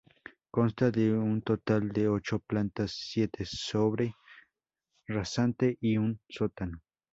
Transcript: Consta de un total de ocho plantas, siete sobre rasante y un sótano.